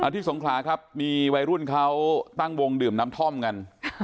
สงขลาครับมีวัยรุ่นเขาตั้งวงดื่มน้ำท่อมกัน